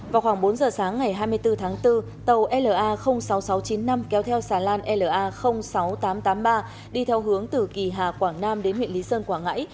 vào khoảng bốn giờ sáng ngày hai mươi bốn tháng bốn tàu la sáu nghìn sáu trăm chín mươi năm kéo theo xà lan la sáu nghìn tám trăm tám mươi ba đi theo hướng từ kỳ hà quảng nam đến huyện lý sơn quảng ngãi